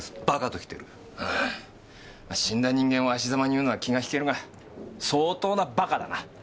うーんまあ死んだ人間を悪し様に言うのは気が引けるが相当な馬鹿だな。